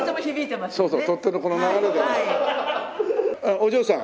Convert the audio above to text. お嬢さん。